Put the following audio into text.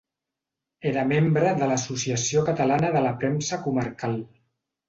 Era membre de l'Associació Catalana de la Premsa Comarcal.